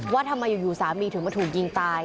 ว่าทำไมอยู่สามีถึงมาถูกยิงตาย